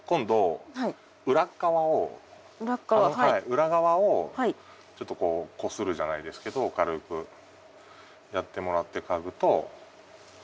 裏側をちょっとこうこするじゃないですけど軽くやってもらって嗅ぐとより。